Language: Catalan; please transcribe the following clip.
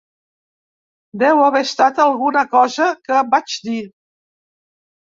Deu haver estat alguna cosa que vaig dir!